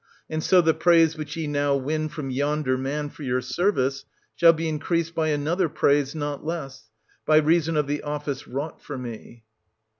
And so the praise which ye now win from yonder man, for your service, shall be increased by another praise not less, by reason of the office wrought for me.